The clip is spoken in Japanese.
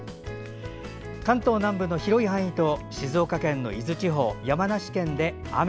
関東南部の広い範囲と静岡県の伊豆地方、山梨県で雨。